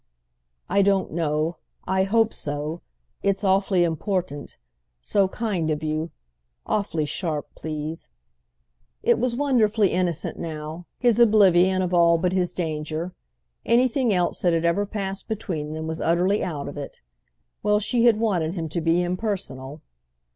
"I don't know—I hope so. It's awfully important. So kind of you. Awfully sharp, please." It was wonderfully innocent now, his oblivion of all but his danger. Anything else that had ever passed between them was utterly out of it. Well, she had wanted him to be impersonal!